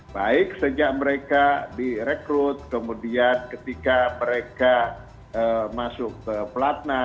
baik sejak mereka direkrut kemudian ketika mereka masuk ke pelatna